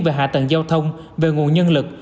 về hạ tầng giao thông về nguồn nhân lực